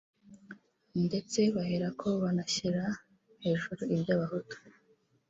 ndetse baherako banashyira hejuru iby’Abahutu